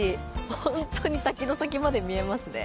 ほんとに先の先まで見えますね。